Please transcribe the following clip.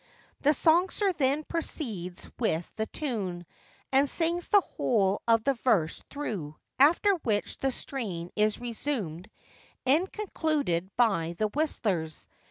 The songster then proceeds with the tune, and sings the whole of the verse through, after which the strain is resumed and concluded by the whistlers.